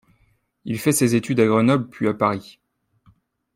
Il fait ses études à Grenoble puis à Paris.